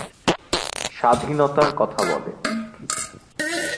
স্বাধীনতার কথা বলে